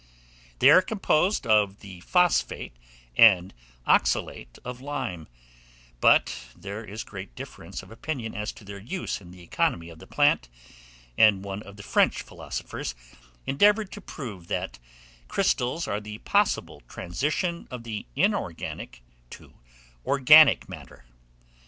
They are composed of the phosphate and oxalate of lime; but there is great difference of opinion as to their use in the economy of the plant, and one of the French philosophers endeavoured to prove that crystals are the possible transition of the inorganic to organic matter.